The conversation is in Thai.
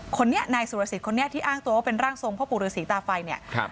คนนี้นายสุรสิทธิ์คนนี้ที่อ้างตัวว่าเป็นร่างทรงพ่อปุริสีตาไฟ